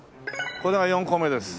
これが４個目です。